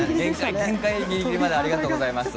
限界までありがとうございます。